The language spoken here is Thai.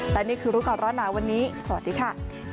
และนี่คือรู้ก่อนร้อนหนาวันนี้สวัสดีค่ะ